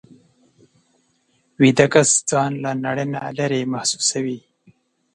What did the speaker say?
ویده کس ځان له نړۍ نه لېرې محسوسوي